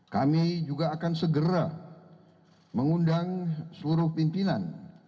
kami juga akan segera mengundang seluruh pimpinan